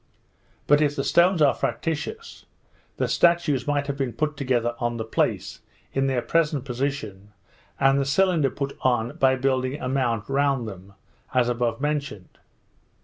But if the stones are factitious, the statues might have been put together on the place, in their present position, and the cylinder put on by building a mount round them, as above mentioned.